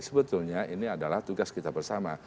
sebetulnya ini adalah tugas kita bersama